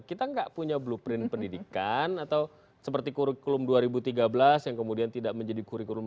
kita nggak punya blueprint pendidikan atau seperti kurikulum dua ribu tiga belas yang kemudian tidak menjadi kurikulum